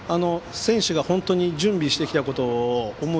選手が本当に準備してきたことを思う